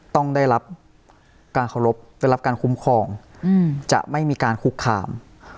ต้องได้รับการเคารพได้รับการคุ้มครองจะไม่มีการคุกคาม